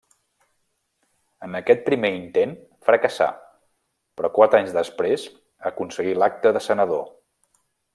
En aquest primer intent fracassà, però quatre anys després aconseguí l'acte de senador.